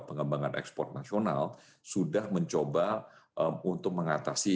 pengembangan ekspor nasional sudah mencoba untuk mengatasi